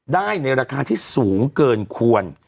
ได้ในราคาที่สูงเกินควร